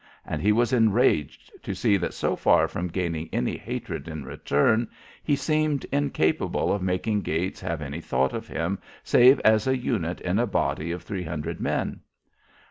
And he was enraged to see that so far from gaining any hatred in return, he seemed incapable of making Gates have any thought of him save as a unit in a body of three hundred men.